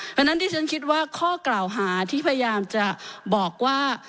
เพราะฉะนั้นที่ฉันคิดว่าข้อกล่าวหาที่พยายามจะบอกว่า